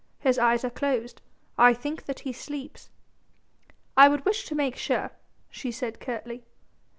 His eyes are closed. I think that he sleeps." "I would wish to make sure," she said curtly.